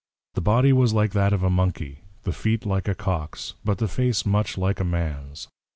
The Body was like that of a Monkey, the Feet like a Cocks, but the Face much like a Mans.